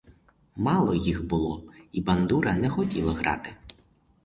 Мало їх було, і бандура не хотіла грати.